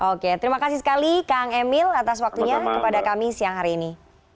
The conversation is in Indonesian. oke terima kasih sekali kang emil atas waktunya kepada kami siang hari ini